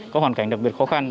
có hoàn cảnh đặc biệt khó khăn